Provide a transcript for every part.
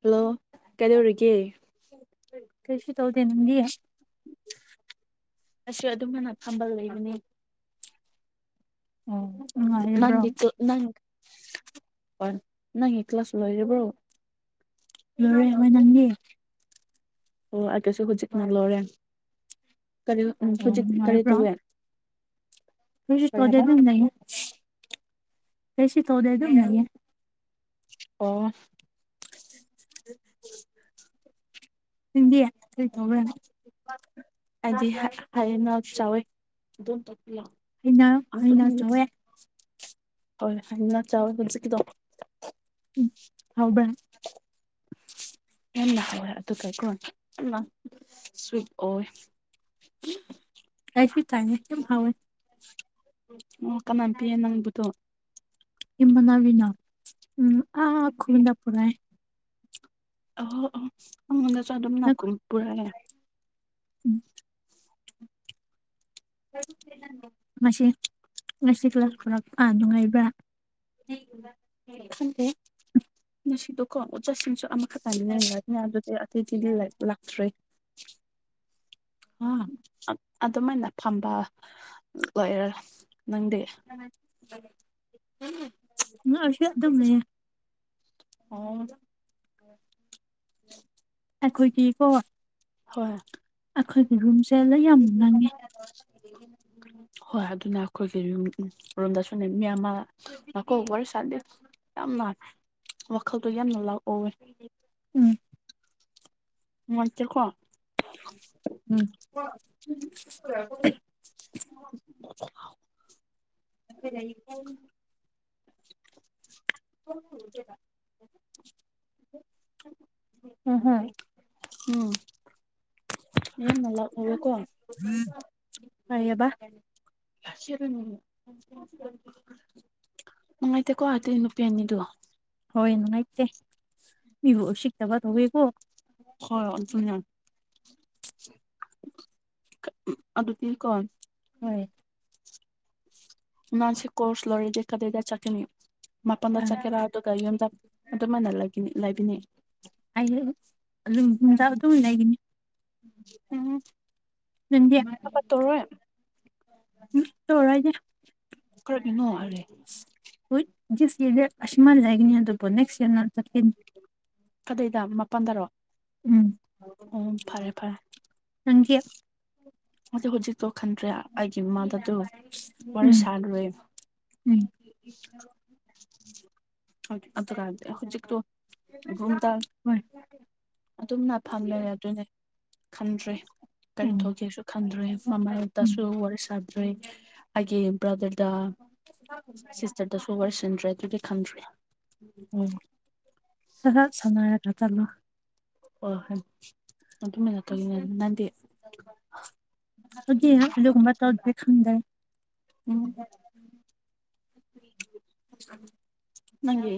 hello ꯀꯩꯗꯧꯔꯤꯒꯦ ꯀꯩꯁꯨꯇꯧꯗꯦ ꯅꯪꯗꯤ ꯑꯁꯤ ꯑꯗꯨꯝ ꯍꯥꯢꯅ ꯐꯝꯕ ꯂꯩꯕꯅꯤ ꯑꯣ ꯅꯨꯡꯉꯥꯏꯔꯤꯕ꯭ꯔꯣ ꯅꯪꯒꯤꯇꯣ ꯅꯪ ꯑꯣꯟ ꯅꯪꯒꯤ ꯀ꯭ꯂꯥꯁ ꯂꯣꯏꯔꯕ꯭ꯔꯣ ꯂꯣꯢꯔꯦ ꯍꯣꯢ ꯅꯪꯅꯤ ꯑꯣ ꯑꯗꯨꯁꯨ ꯍꯨꯖꯤꯛꯅ ꯂꯣꯔꯦ ꯀꯔꯤ ꯎꯝ ꯑꯣ ꯍꯨꯖꯤꯛ ꯀꯔꯤ ꯇꯧꯋꯦ ꯀꯔꯤꯁꯨ ꯀꯔꯤ ꯇꯧꯗꯦ ꯍꯥꯏꯕ ꯑꯗꯨꯝ ꯅꯩꯌꯦ ꯀ꯭ꯔꯤꯁꯨ ꯇꯧꯗꯦ ꯑꯗꯨꯝ ꯅꯩꯌꯦ ꯑꯣ ꯅꯪꯗꯤ ꯀꯔꯤ ꯇꯧꯕ꯭ꯔꯥ ꯍꯥꯏꯗꯤ ꯍꯥꯢ ꯍꯥꯏꯌꯦꯅ ꯆꯥꯎꯋꯦ ꯑꯗꯨꯝ ꯇꯣ ꯑꯩꯅ ꯍꯩꯅ ꯆꯥꯎꯋꯦ ꯍꯣꯏ ꯍꯩꯅꯥ ꯆꯥꯎꯋꯦ ꯍꯨꯖꯤꯛꯀꯤꯗꯣ ꯎꯝ ꯍꯥꯎꯕ꯭ꯔꯥ ꯌꯥꯝꯅ ꯍꯥꯎꯋꯦ ꯑꯗꯨꯒꯀꯣ ꯌꯥꯝꯅ ꯁ꯭ꯋꯤꯠ ꯑꯣꯏ ꯎꯝ ꯗ꯭ꯔꯥꯢ ꯐ꯭ꯔꯨꯢꯠ ꯇꯥꯢꯅꯦ ꯌꯥꯝ ꯍꯥꯎꯋꯦ ꯑꯣ ꯀꯅꯥ ꯄꯤꯌꯦ ꯅꯪꯕꯨꯗꯣ ꯏꯃꯥꯟꯅꯕꯤꯅꯥ ꯎꯝ ꯈꯨꯟꯅꯛꯄꯅꯦ ꯑꯍꯣ ꯑꯍꯣ ꯑꯩꯉꯣꯟꯗꯁꯨ ꯑꯗꯨꯝ ꯅꯥꯀꯨꯝ ꯅꯈꯣꯏ ꯄꯨꯔꯥꯑꯦ ꯎꯝ [inaudible] ꯉꯁꯤ ꯉꯁꯤ ꯄꯨꯂꯞ ꯄꯨꯔꯛ ꯑ ꯅꯨꯡꯉꯥꯏꯕ꯭ꯔꯥ ꯈꯪꯗꯦ ꯉꯁꯤꯗꯣꯀꯣ ꯑꯣꯠ ꯆꯠꯁꯤꯡꯁꯨ ꯑꯃꯈꯠꯇꯅꯤꯅ [unintelligible] ꯑꯇꯩꯗꯤ ꯂꯦꯛ ꯂꯥꯛꯇ꯭ꯔꯦ ꯍꯥ ꯑ ꯑꯗꯨꯃꯥꯏꯅ ꯐꯝꯕ ꯂꯣꯏꯔ ꯅꯪꯗꯤ ꯎꯝ ꯅꯛꯑꯁꯤ ꯑꯗꯨꯝ ꯂꯩꯌꯦ ꯑꯣ [inaudible] ꯑꯩꯈꯣꯏꯒꯤ ꯀꯣ ꯍꯣꯏ ꯑꯈꯣꯏꯒꯤ ꯔꯨꯝꯁꯦ ꯂꯩꯌꯥꯝ ꯅꯪꯉꯦ ꯍꯣꯏ ꯑꯗꯨꯅ ꯑꯈꯣꯏꯒꯤ ꯔꯨ ꯎ ꯔꯨꯝꯗꯁꯨꯅꯦ ꯃꯤ ꯑꯃ ꯅꯀꯣ ꯋꯥꯔꯤ ꯁꯥꯥꯔꯗꯤ ꯌꯥꯝꯅ ꯋꯥꯈꯜꯗꯣ ꯌꯥꯝꯅ ꯂꯥꯎꯠ ꯑꯣꯋꯦ ꯎꯝ ꯅꯨꯡꯉꯥꯏꯇꯦꯀꯣ ꯎꯝ ꯍꯣꯏ [unintelligible] ꯈꯣꯉꯥꯎ [unintelligible] [inaudible] ꯍꯣꯏ ꯎꯝ ꯌꯥꯝꯅ ꯂꯥꯎꯠ ꯑꯣꯢꯌꯦꯀꯣ ꯀꯩꯌꯕ [unintelligible] ꯅꯨꯡꯉꯥꯏꯇꯦꯀꯣ ꯑꯗꯨꯢ ꯅꯨꯄꯤ ꯑꯅꯤꯗꯨ ꯍꯣꯏ ꯅꯨꯡꯉꯥꯏꯇꯦ ꯃꯤꯕꯨ ꯎꯁꯤꯠꯇꯕ ꯇꯧꯋꯤꯀꯣ ꯍꯣꯏ ꯑꯗꯨꯅꯦ ꯈ ꯎꯝ ꯑꯗꯨꯗꯤꯀꯣ ꯍꯣꯏ ꯃꯥꯁꯤ ꯀꯣꯔꯁ ꯂꯣꯏꯔꯤꯗꯤ ꯀꯗꯥꯢꯗ ꯆꯠꯀꯤꯅꯤ ꯃꯄꯥꯟꯗ ꯑꯪ ꯆꯠꯀꯦꯔꯥ ꯑꯗꯨꯒ ꯌꯨꯝꯗ ꯑꯗꯨꯃꯥꯏꯅ ꯂꯩꯒꯅꯤ ꯂꯩꯕꯤꯅꯤ ꯑꯩ ꯑꯗꯨꯝ ꯆꯤꯟꯖꯥꯛ ꯑꯗꯨꯝ ꯂꯩꯒꯅꯤ ꯎꯝ ꯅꯪꯗꯤ ꯍꯝ ꯍꯥꯀꯠꯇꯧꯔꯣꯏ ꯇꯧꯔꯣꯏꯅꯦ ꯀꯔꯤꯠꯅꯣ ꯑꯥꯔꯦ ꯍꯨꯢꯠ ꯗꯤꯁ ꯌꯔꯗ ꯑꯁꯨꯃꯥꯢ ꯂꯩꯒꯅꯤ ꯑꯗꯨꯕꯨ ꯅꯦꯛꯁ ꯌꯔꯅ ꯆꯠꯀꯅꯤ ꯀꯗꯩꯗꯥ ꯃꯄꯥꯟꯗꯔꯣ ꯎꯝ ꯎꯝ ꯐꯔꯦ ꯐꯔꯦ ꯅꯪꯗꯤ ꯑꯗꯣ ꯍꯨꯖꯤꯛꯇꯣ ꯈꯟꯇ꯭ꯔꯦ ꯑꯩꯒꯤ ꯏꯃꯥꯗꯣ ꯗꯣ ꯋꯥꯔꯤ ꯎꯝ ꯁꯥꯗ꯭ꯔꯦ ꯎꯝ ꯑꯗꯨ ꯑꯨꯗꯨꯒ ꯍꯥꯢꯕꯗꯤ ꯍꯨꯖꯤꯛꯇꯣ ꯔꯨꯝꯗ ꯍꯣꯏ ꯑꯗꯨꯝꯅ ꯐꯝ ꯂꯩꯔꯦ ꯑꯗꯨꯅꯦ ꯈꯪꯗ꯭ꯔꯦ ꯀꯔꯤ ꯎꯝ ꯇꯧꯒꯦꯁꯨ ꯈꯪꯗ꯭ꯔꯦ ꯎꯝ ꯃꯃꯥꯢꯇꯁꯨ ꯋꯥꯔꯤ ꯁꯥꯗ꯭ꯔꯦ ꯑꯩꯒꯤ ꯕ꯭ꯔꯥꯗꯔꯗꯥ ꯁꯤꯁꯇꯔꯗꯁꯨ ꯋꯥꯔꯤ ꯁꯥꯟꯗ꯭ꯔꯦ ꯑꯗꯨꯗꯤ ꯈꯪꯗ꯭ꯔꯦ ꯁꯒꯥꯛ ꯁꯥꯟꯅꯔꯒ ꯆꯪꯉꯣ ꯑꯣ [unintelligible] ꯅꯗꯤ ꯑꯩꯗꯤ ꯑꯗꯨꯒꯨꯝꯕ ꯇꯧꯗꯦ ꯈꯟꯗꯦ ꯎꯝ [unintelligible] [inaudible] [inaudible] ꯅꯪꯒꯤ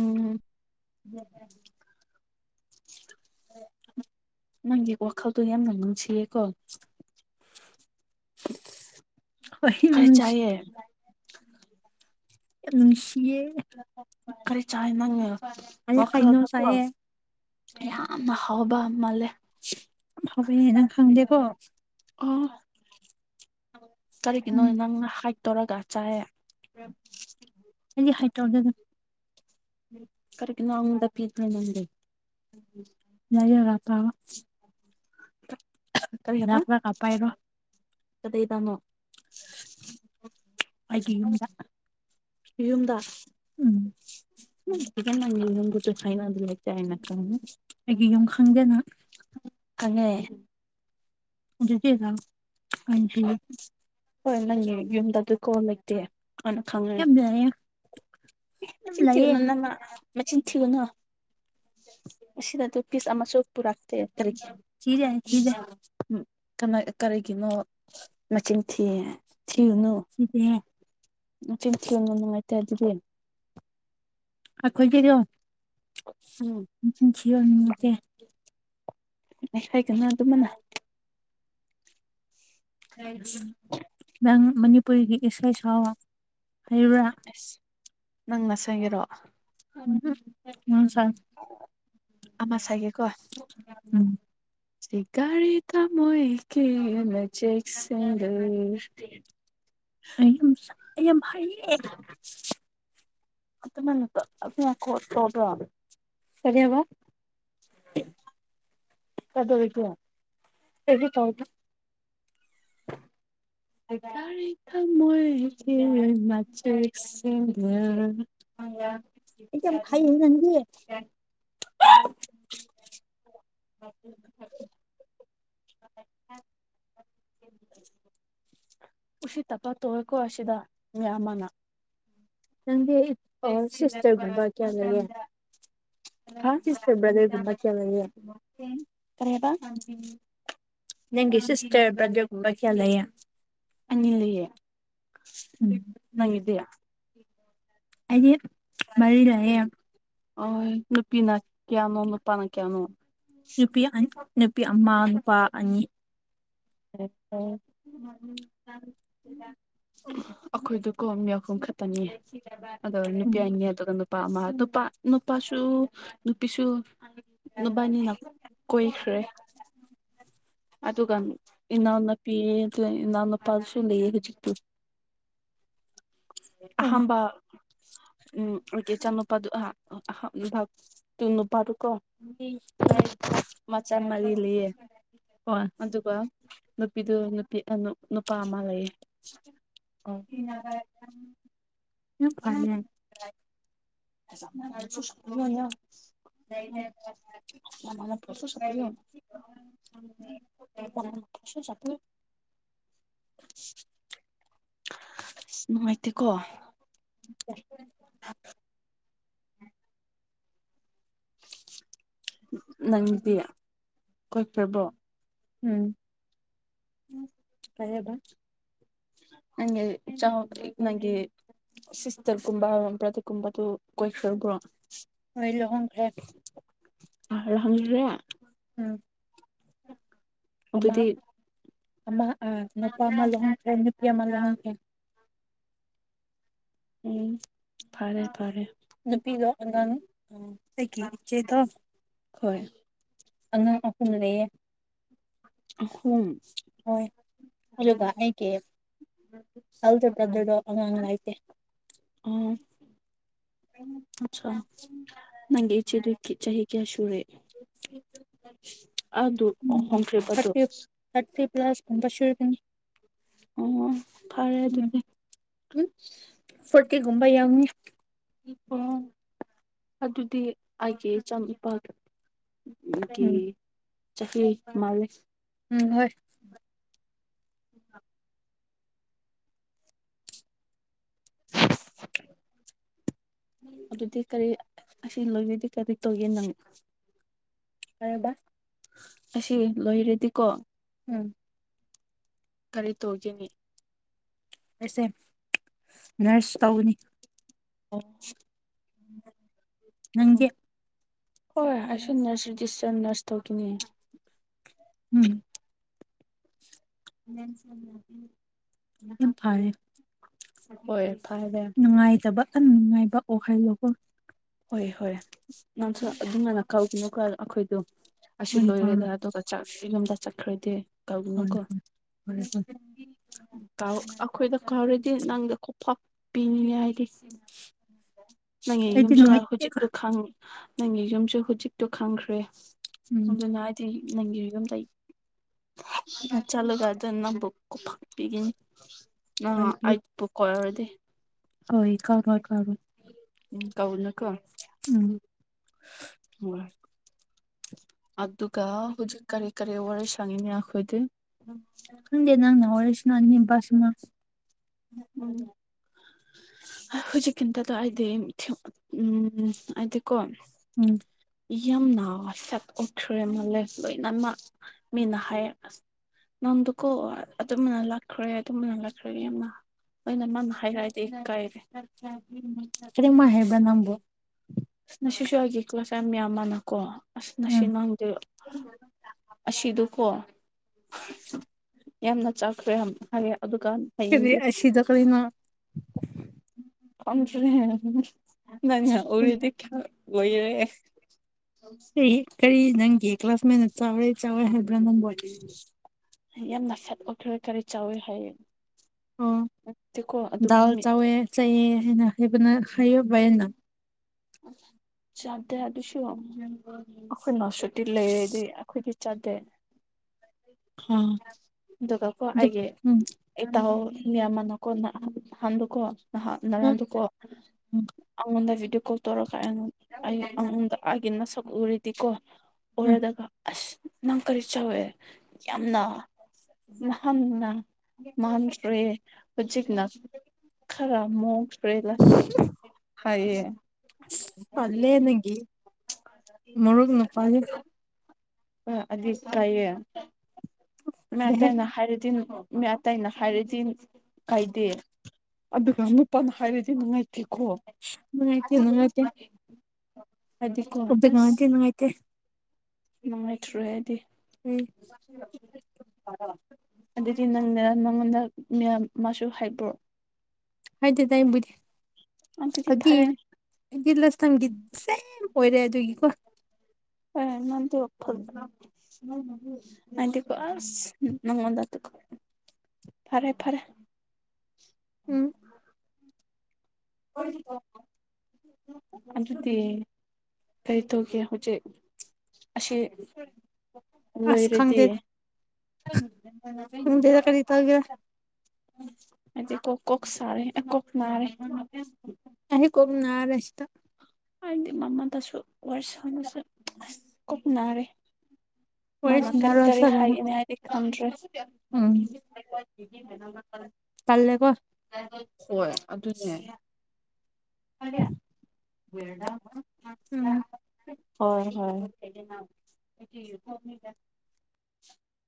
ꯎꯝ [unintelligible] ꯅꯪꯒꯤ ꯋꯈꯜ ꯇꯣ ꯌꯥꯝꯅ ꯅꯨꯡꯁꯤꯌꯦ ꯀꯣ ꯀꯔꯤ ꯑꯍꯤꯝꯁ ꯆꯥꯏꯌꯦ ꯌꯥꯝ ꯅꯨꯡꯁꯤꯌꯦ ꯀꯔꯤ ꯆꯥꯏ ꯅꯪꯉꯦ ꯑꯩ ꯍꯩꯅꯧ ꯋꯥꯈꯜꯗꯀꯣ ꯆꯥꯏꯌꯦ ꯌꯥꯝꯅ ꯍꯥꯎꯕ ꯃꯥꯜꯂꯦ ꯐꯕꯅꯦ ꯅꯪ ꯈꯪꯗꯦꯀꯣ ꯑꯣ ꯀꯔꯤꯒꯤꯅꯣ ꯎꯝ ꯅꯪꯅ ꯍꯥꯏꯠ ꯇꯧꯔꯒ ꯆꯥꯏꯌꯦ ꯑꯩꯗꯤ ꯍꯥꯏꯠ ꯇꯧꯗꯦꯗ ꯀꯥꯔꯤꯒꯤꯅꯣ ꯑꯉꯣꯟꯗ ꯄꯤ [unintelligible] ꯂꯩꯔꯒ ꯄꯥꯎ ꯂꯥꯛꯂꯒ ꯄꯥꯏꯔꯣ ꯀꯗꯩꯗ ꯃꯨꯛ ꯑꯩꯒꯤ ꯌꯨꯝꯗ ꯌꯨꯝꯗꯥ ꯎꯝ ꯪ [unintelligible] ꯑꯩꯒꯤ ꯌꯨꯝ ꯈꯪꯗꯅ ꯑꯅꯦ ꯑꯗꯨꯗꯤ ꯅꯪ ꯑꯥꯢꯟꯁꯨ ꯍꯣꯏ ꯅꯪꯒꯤ ꯌꯨꯝꯗ ꯗꯨ ꯀꯣ ꯂꯩꯇꯦ ꯑꯅ ꯈꯪꯉꯦ ꯌꯥꯝ ꯂꯩꯌꯦ ꯌꯥꯝ ꯃꯆꯤꯟ ꯂꯩꯌꯦ ꯊꯤꯒꯅꯨ ꯅꯪꯅ ꯃꯆꯤꯟ ꯊꯤꯒꯅꯣ ꯑꯁꯤꯗ ꯗꯨ ꯄꯤꯁ ꯑꯃꯁꯨ ꯄꯨꯔꯛꯇꯦ ꯀꯔꯤꯒꯤ ꯊꯤꯗꯦ ꯊꯤꯗꯦ ꯎꯝ ꯀꯅ ꯀꯔꯤꯒꯤꯅꯣ ꯃꯆꯤꯡ ꯊꯤꯌꯦ ꯊꯤꯗꯦꯍꯦ ꯅꯆꯤꯟ ꯊꯤꯒꯅꯨ ꯅꯨꯡꯉꯥꯏꯇꯦ ꯑꯗꯨꯗꯤ ꯑꯩꯈꯣꯏꯒꯤꯗꯣ ꯎꯝ ꯃꯆꯤꯟ ꯊꯤꯍꯟꯅꯤꯡꯗꯦ ꯑꯦ ꯍꯥꯏꯒꯅꯣ ꯗꯨꯃꯥꯢꯅ ꯅꯪ ꯃꯅꯤꯄꯨꯔꯤꯒꯤ ꯏꯁꯩ ꯁꯥꯑꯣ ꯍꯩꯕ꯭ꯔꯥ ꯑꯁ ꯅꯪ ꯉꯁꯥꯏꯒꯤꯔꯣ [unintelligible] ꯑꯃ ꯁꯥꯏꯒꯦꯀꯣ ꯁꯦꯒꯥꯢꯔꯦ ꯊꯃꯣꯏꯒꯤ ꯃꯆꯦꯠ ꯁꯤꯡꯗꯣ ꯑꯩ ꯑꯃꯨꯛ ꯁꯛ ꯑꯩ ꯌꯥꯝ ꯍꯩꯌꯦ [unintelligible] ꯀꯔꯤ ꯕꯥ [unintelligible] [unintelligible] ꯑꯩꯀꯥꯏꯔꯥ ꯊꯃꯣꯏꯒꯤ ꯃꯆꯦꯠꯁꯤꯡꯗ [unintelligible] [inaudible] [inaudible] [inaudible] ꯎꯁꯤꯠꯇꯕ ꯇꯧꯋꯦꯀꯣ ꯑꯥꯁꯤꯗ ꯃꯌꯥꯝ ꯃꯅꯥ ꯅꯪꯗꯤ ꯑꯩ ꯁꯤꯁꯇꯔ ꯒꯨꯝꯕꯥ ꯀꯌꯥꯝ ꯂꯩꯌꯦ ꯍꯥ [unintelligible] [unintelligible] ꯀꯔꯤ ꯍꯥꯏꯕꯥ [unintelligible] ꯅꯪꯒꯤ ꯁꯤꯁꯇ꯭ꯔ ꯕ꯭ꯔꯗ꯭ꯔ ꯄꯥꯔꯤꯈꯥ ꯂꯩꯌꯦ ꯑꯅꯤ ꯂꯩꯌꯦ ꯎꯝ ꯅꯪꯒꯤꯗꯤ ꯑꯩꯗꯤ ꯃꯔꯤ ꯂꯩꯑꯦ ꯑ ꯅꯨꯄꯤꯅ ꯀꯌꯥꯅꯣ ꯅꯨꯄꯥꯅ ꯀꯌꯥꯅꯣ ꯅꯨꯄꯤ ꯑ ꯅꯨꯄꯤ ꯑꯃꯥ ꯅꯨꯄꯥ ꯑꯅꯤ [inaudible] [unintelligible] ꯑꯩꯈꯣꯏꯗꯣ ꯀꯣ ꯃꯤ ꯑꯍꯨꯝ ꯈꯛꯇꯅꯦ [unintelligible] ꯑꯗꯣ ꯅꯨꯄꯤ ꯎꯝ ꯑꯅꯤ ꯑꯗꯨꯒ ꯅꯨꯄꯥ ꯑꯃ ꯅꯨꯄꯥ ꯅꯨꯞ ꯄꯥꯁꯨ ꯅꯨꯄꯤꯁꯨ ꯅꯨꯕꯥꯅꯤꯅ ꯀꯣꯏꯈ꯭ꯔꯦ ꯑꯗꯨꯒ ꯏꯅꯥꯎ ꯅꯨꯄꯤ ꯗꯨꯏ ꯏꯅꯥꯎ ꯅꯨꯄꯥꯁꯨ ꯂꯩꯌꯦ ꯍꯧꯖꯤꯛꯇꯨ ꯑꯍꯥꯟꯕ ꯎꯝ ꯑꯩꯒꯤ ꯏꯆꯥꯅꯨꯄꯥꯗꯨ [unintelligible] ꯀꯤ ꯅꯨꯄꯥꯗꯨꯀꯣ ꯃꯆꯥ ꯃꯔꯤ ꯂꯩꯌꯦ [inaudible] ꯑꯗꯨꯒ ꯅꯨꯄꯤꯗꯨ ꯅꯨꯄꯤ ꯑ ꯅꯨꯄꯥ ꯑꯃ ꯂꯩꯌꯦ [inaudible] [unintelligible] [inaudible] [inaudible] [inaudible] [inaudible] ꯅꯨꯡꯉꯥꯏꯇꯦꯀꯣ ꯅꯪꯗꯤ ꯀꯣꯏꯈ꯭ꯔꯕꯣ ꯎꯝ [inaudible] ꯀꯔꯤ ꯍꯥꯢꯕ ꯅꯪꯒꯤ ꯆꯪꯉꯛ ꯅꯪꯒꯤ ꯁꯤꯁꯇꯔꯒꯨꯝꯕ ꯕ꯭ꯔꯗꯔꯒꯨꯝꯕꯗꯨ ꯀꯣꯏꯈ꯭ꯔꯕ꯭ꯔꯣ ꯂꯣꯢ ꯂꯨꯍꯣꯡꯈ꯭ꯔꯦ ꯑꯍꯜ [unintelligible] ꯎꯝ ꯑꯃ ꯑꯗꯨꯗꯤ ꯑꯃ ꯑꯥ ꯅꯨꯄꯥ ꯑꯃ ꯂꯨꯍꯣꯡ ꯈ꯭ꯔꯦ ꯅꯨꯄꯤ ꯑꯃ ꯂꯨꯍꯣꯡꯈ꯭ꯔꯦ ꯎꯝ ꯐꯔꯦ ꯐꯔꯦ ꯅꯨꯄꯤꯗ ꯑꯉꯥꯡ ꯎꯝ ꯑꯩꯒꯤ ꯢꯆꯦꯗꯣ ꯍꯣꯏ ꯑꯉꯥꯡ ꯑꯍꯨꯝ ꯂꯩꯌꯦ ꯑꯍꯨꯝ ꯍꯣꯏ ꯑꯗꯨꯒ ꯑꯩꯒꯤ [unintelligible] ꯑꯉꯥꯡ ꯂꯩꯇꯦ ꯑꯣ ꯑꯠꯁꯥ ꯅꯪꯒꯤ ꯢꯆꯦꯗꯨ ꯀꯤ ꯆꯍꯤ ꯀꯌꯥ ꯁꯨꯨꯨꯔꯦ [unintelligible] ꯑꯗꯨ ꯍꯣꯡꯈ꯭ꯔꯦꯕꯗꯨ ꯂꯥꯁ ꯀꯨꯝꯕ ꯁꯣꯢꯕꯅꯤ ꯑꯣ ꯐꯔꯦ ꯎꯝ ꯑꯗꯨꯗꯤ [unintelligible] ꯐꯨꯔꯇꯤꯒꯨꯝꯕ ꯌꯧꯅꯤ ꯏ ꯑꯣ ꯑꯗꯨꯗꯤ ꯑꯩꯒꯤ ꯢꯆꯥ ꯅꯨꯄꯥꯒ ꯎꯝꯀꯤ ꯎꯝ ꯆꯍꯤ ꯃꯥꯜꯂꯦ ꯎꯝ ꯍꯣꯏ [inaudible] ꯑꯗꯨꯗꯤ ꯀꯔꯤ ꯑꯁꯤ ꯂꯣꯏꯔꯗꯤ ꯀꯔꯤ ꯇꯧꯒꯦ ꯅꯪ ꯐꯔꯦꯕ ꯑꯁꯤ ꯂꯣꯏꯔꯗꯤꯀꯣ ꯎꯝ ꯀꯔꯤ ꯇꯧꯒꯦꯅꯤ ꯑꯩꯁꯦ ꯅꯔ꯭ꯁ ꯇꯧꯒꯅꯤ ꯑꯣ ꯅꯪꯗꯤ ꯍꯣꯏ ꯑꯩꯁꯨ ꯅꯔ꯭ꯁ ꯗꯤꯁ ꯅꯔ꯭ꯁ ꯇꯧꯀꯦꯅꯤ ꯎꯝ ꯌꯥꯝ ꯐꯔꯦ [unintelligible] ꯍꯣꯏ ꯐꯔꯦ ꯅꯨꯡꯉꯥꯏꯇꯕ ꯑ ꯅꯨꯡꯉꯥꯏꯕ ꯑꯣꯏꯍꯜꯂꯣꯀꯣ ꯍꯣꯏ ꯍꯣꯏ ꯅꯪꯁꯨ ꯑꯗꯨꯃꯥꯢꯅ ꯀꯧꯒꯅꯨꯀꯣ ꯑꯈꯣꯏꯗꯨ ꯑꯁꯤ ꯍꯣꯏ ꯀꯥꯎꯔꯣꯏ ꯂꯣꯏꯔꯗꯅꯥ ꯑꯗꯨꯒ ꯆꯥꯛꯁꯤꯁꯨ ꯌꯨꯝꯗ ꯆꯠꯈ꯭ꯔꯗꯤ ꯍꯣꯏ ꯀꯥꯎꯒꯅꯨꯀꯣ ꯍꯣꯏ ꯍꯣꯏ ꯍꯣꯏ ꯇꯥꯎ ꯑꯈꯣꯏꯗ ꯀꯥꯎꯔꯗꯤ ꯅꯪꯗꯣ ꯈꯨꯄꯥꯛ ꯄꯤꯅꯤꯉꯦ ꯍꯥꯏꯗꯤ ꯅꯪꯒꯤ ꯑꯩꯗꯤ ꯌꯨꯝꯁꯨ ꯅꯨꯡꯉꯥꯏꯇꯦꯀꯣ ꯍꯨꯖꯤꯛꯇꯣ ꯈꯪꯉꯤ ꯅꯪꯒꯤ ꯌꯨꯝꯁꯨ ꯍꯨꯖꯤꯛꯇꯣ ꯈꯪꯈ꯭ꯔꯦ ꯎꯝ ꯑꯗꯨꯅꯥꯢꯗꯤ ꯅꯪꯒꯤ ꯌꯨꯝꯗ [unintelligible] ꯆꯠꯂꯒ ꯑꯗꯨ ꯅꯪꯕꯨ ꯈꯨꯄꯥꯛ ꯄꯤꯒꯅꯤ ꯅꯪ ꯍꯣꯏ ꯄꯤꯌꯨ ꯑꯩꯄꯨ ꯀꯣꯢꯔꯗꯤ ꯍꯣꯏ ꯀꯥꯎꯔꯣꯏ ꯀꯥꯎꯔꯣꯏ ꯎꯝ ꯀꯧꯅꯨꯀꯣ ꯎꯝ ꯍꯣꯏ ꯑꯗꯨꯒ ꯍꯨꯖꯤꯛ ꯀꯔꯤ ꯀꯔꯤ ꯋꯥꯔꯤ ꯁꯥꯅꯤꯡꯉꯦ ꯑꯈꯣꯏꯗ ꯈꯪꯗꯦ ꯅꯪꯅ ꯋꯥꯔꯤ ꯁ꯭ꯅꯥꯅꯤꯡꯕ ꯁꯥꯟꯅꯧ ꯎꯝ ꯍꯨꯖꯤꯛꯀꯤꯇꯨꯗꯗ ꯑꯥꯢꯗꯤꯝ ꯊꯦꯡ ꯎꯝ ꯑꯩꯗꯤ ꯀꯣ ꯎꯝ ꯌꯥꯝꯅ ꯐꯦꯠ ꯑꯣꯟꯈ꯭ꯔꯦ ꯃꯥꯜꯂꯦ ꯂꯣꯏꯅꯃꯛ ꯃꯤꯅ ꯍꯥꯏꯌꯦ ꯑꯁ ꯅꯪꯗꯨꯀꯣ ꯑꯗꯨꯝꯅ ꯂꯥꯛꯈ꯭ꯔꯦ ꯑꯗꯨꯝꯕꯅ ꯂꯥꯛꯈ꯭ꯔꯦ ꯌꯥꯝꯅ ꯑꯩꯅ ꯃꯥꯅ ꯍꯥꯏꯔꯑꯗꯤ ꯑꯩ ꯀꯥꯢꯔꯦ ꯀꯔꯤꯝꯃꯥꯥꯏ ꯍꯥꯏꯕ꯭ꯔꯥ ꯅꯪꯕꯨ ꯉꯁꯤꯁꯨ ꯑꯩꯒꯤ ꯀ꯭ꯂꯥꯁ ꯌꯥꯝ ꯌꯥꯝꯃꯅꯀꯣ ꯑꯁ ꯉꯁꯤ ꯎꯝ ꯅꯪꯗꯤ ꯑꯁꯤꯗꯨꯀꯣ ꯌꯥꯝꯅ ꯆꯥꯈ꯭ꯔꯦ ꯍꯝ ꯍꯥꯏꯌꯦ ꯑꯗꯨꯒ ꯀꯔꯤ ꯍꯌꯦꯡꯗꯤ ꯑꯁꯤꯗ ꯀꯔꯤꯅꯣ [unintelligible] ꯅꯪꯅ ꯎꯔꯗꯤ ꯈꯔ ꯑꯣꯢꯔꯦ ꯀꯔꯤ ꯀꯔꯤ ꯅꯪꯒꯤ ꯀ꯭ꯂꯥꯁ ꯃꯦꯠꯅ ꯆꯥꯎꯔꯦ ꯆꯥꯎꯋꯦ ꯍꯥꯏꯕ꯭ꯔꯥ ꯅꯪꯕꯣ ꯑꯩ ꯌꯥꯝꯅ ꯐꯦꯠ ꯑꯣꯢꯈ꯭ꯔꯦ ꯀꯔꯤ ꯆꯥꯎꯋꯦ ꯍꯥꯢꯌꯦ ꯑꯥ ꯗꯥꯜ ꯃꯤ ꯆꯥꯎꯋꯦ ꯆꯩꯌꯦ [unintelligible] [unintelligible] ꯆꯥꯗꯦ ꯑꯥ ꯑꯗꯨꯒꯀꯣ ꯑꯩꯒꯤ ꯎꯝ ꯏꯇꯥꯎ ꯃꯤ ꯑꯃꯅ ꯎꯝ ꯎꯝ ꯎꯝ [unintelligible] [unintelligible] ꯅꯪ ꯀꯔꯤ ꯆꯥꯎꯋꯦ ꯌꯥꯝꯅ ꯅꯍꯥꯟꯅ ꯃꯥꯟꯈ꯭ꯔꯦ ꯍꯧꯖꯤꯛꯅ ꯈꯔ ꯃꯨ [unintelligible] ꯑꯁ ꯇꯜꯂꯦ ꯅꯪꯒꯤ ꯃꯣꯔꯣꯛ ꯃꯦꯠꯄꯖꯦ [unintelligible] ꯄꯜꯂꯦꯍꯦ ꯃꯤ ꯑꯇꯩꯅ ꯍꯥꯏꯔꯗꯤ ꯀꯥꯢꯗꯦ ꯑꯗꯨꯒ ꯅꯨꯄꯥꯅ ꯍꯥꯢꯔꯗꯤ ꯅꯨꯡꯉꯥꯢꯇꯦꯀꯣ ꯅꯨꯡꯉꯥꯏꯇꯦ ꯅꯨꯡꯉꯥꯏꯇꯦ ꯍꯥꯏꯗꯤꯀꯣ ꯑꯝꯇ ꯅꯨꯡꯉꯥꯏꯇꯦ ꯅꯨꯡꯉꯥꯏꯇꯦ ꯅꯨꯡꯉꯥꯏꯇ꯭ꯔꯦꯗꯤ ꯎꯝ ꯑꯗꯨꯗꯤ ꯅꯪꯅ ꯅꯪꯉꯣꯟꯗ ꯃꯤꯌꯥꯝ ꯃꯁꯨ ꯍꯥꯏꯕ꯭ꯔꯣ ꯍꯥꯏꯗꯦꯗ ꯑꯩ ꯕꯨꯗꯤ ꯑꯗꯨꯗꯤ ꯐꯔꯦ [unintelligible] [inaudible] ꯐꯔꯦ ꯐꯔꯦ ꯎꯝ [inaudible] ꯑꯗꯨꯗꯤ ꯀꯔꯤ ꯇꯧꯒꯦ ꯍꯧꯖꯤꯛ ꯑꯁꯤ ꯑꯁ ꯂꯣꯏꯔꯗꯤ ꯈꯪꯗꯦ ꯈꯪꯗꯦꯗ ꯀꯔꯤ ꯇꯧꯒꯦꯔꯥ [inaudible] ꯑꯩꯗꯤ ꯀꯣ ꯀꯣꯛ ꯁꯥꯔꯦ ꯑ ꯀꯣꯛ ꯅꯥꯔꯦ ꯑꯩ ꯀꯣꯛ ꯅꯥꯔꯦ ꯁꯤꯗꯥ [unintelligible] ꯋꯥꯔꯤ ꯃꯥꯅ ꯀꯔꯤ ꯁꯥꯟꯅꯔꯣꯏ ꯀꯔꯤ ꯁꯥꯟꯅꯔꯣꯏ ꯍꯥꯏꯒꯅꯤ ꯍꯥꯏꯗꯤ ꯈꯪꯗ꯭ꯔꯦ [inaudible] ꯎꯝ ꯇꯜꯂꯦꯀꯣ ꯍꯣꯏ ꯑꯗꯨꯅꯦ ꯎꯝ ꯍꯣꯏ ꯍꯣꯏ [inaudible]